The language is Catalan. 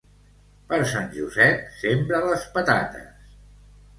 Per Sant Josep, sembra les patates.